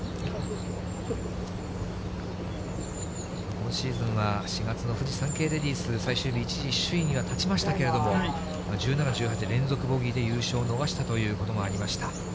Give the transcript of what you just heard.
今シーズンは、４月のフジサンケイレディス最終日、一時首位には立ちましたけれども、１７、１８、連続ボギーで優勝を逃したということもありました。